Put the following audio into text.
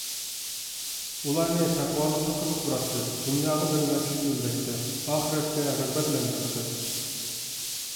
ئۇلارنى تەقۋالىققا قىزىقتۇراتتى، دۇنياغا بېرىلمەسلىككە ئۈندەيتتى، ئاخىرەتكە رىغبەتلەندۈرەتتى.